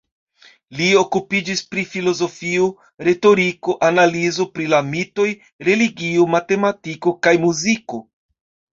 Li okupiĝis pri filozofio, retoriko, analizo pri la mitoj, religio, matematiko kaj muziko.